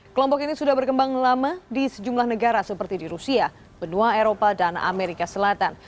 kelompok ini sudah berkembang lama di sejumlah negara seperti di rusia benua eropa dan amerika selatan